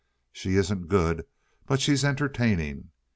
She isn't good, but she's entertaining.